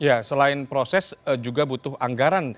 ya selain proses juga butuh anggaran